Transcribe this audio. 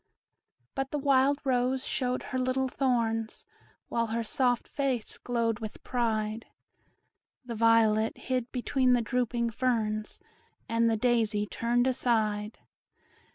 But the wild rose showed her little thorns, While her soft face glowed with pride; The violet hid beneath the drooping ferns, And the daisy turned aside.